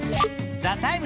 「ＴＨＥＴＩＭＥ，」